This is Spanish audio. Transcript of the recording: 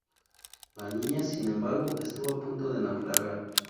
La Niña, sin embargo, estuvo a punto de naufragar.